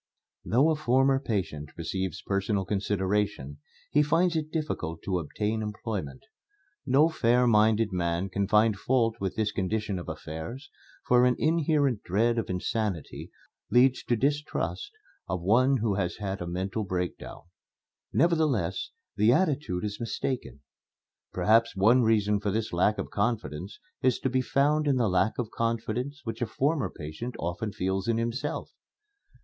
Though a former patient receives personal consideration, he finds it difficult to obtain employment. No fair minded man can find fault with this condition of affairs, for an inherent dread of insanity leads to distrust of one who has had a mental breakdown. Nevertheless, the attitude is mistaken. Perhaps one reason for this lack of confidence is to be found in the lack of confidence which a former patient often feels in himself.